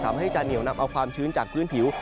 สามารถที่จะเหนียวนำเอาความชื้นจากพื้นผิว